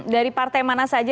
dari partai mana saja